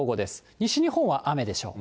西日本は雨でしょう。